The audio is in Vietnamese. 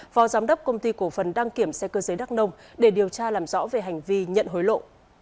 vò giám đốc công ty cổ phân đang kiểm xe cơ giới đắk nông để điều tra làm rõ về hành vi nhận hối lộ